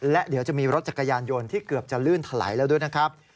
และเดี๋ยวจะมีรถจักรยานยนต์ที่เกือบจะลื่นถลายแล้วด้วยนะครับ